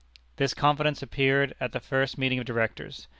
This confidence appeared at the first meeting of directors.